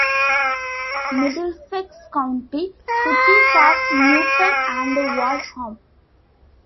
Middlesex County: Cities of Newton and Waltham.